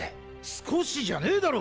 少しじゃねぇだろ！